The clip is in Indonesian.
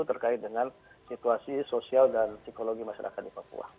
terkait dengan situasi sosial dan psikologi masyarakat di papua